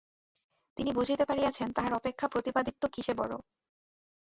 তিনি বুঝিতে পারিয়াছেন, তাঁহার অপেক্ষা প্রতাপাদিত্য কিসে বড়ো।